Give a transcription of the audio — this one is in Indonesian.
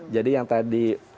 jadi yang tadi